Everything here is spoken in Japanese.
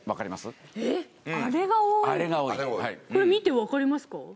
これ見てわかりますか？